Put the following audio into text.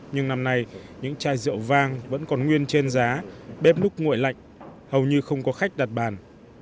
nhưng năm nay những chai rượu vang vẫn còn nguyên trên giá bếp nút nguội lạnh hầu như không có khách đạt bán